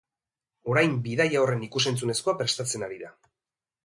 Orain bidaia horren ikusentzunezkoa prestatzen ari da.